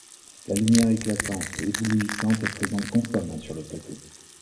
La lumière éclatante, éblouissante est présente constamment sur le plateau.